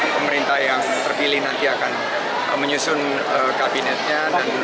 pemerintah yang terpilih nanti akan menyusun kabinetnya